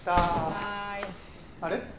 はーい。あれ？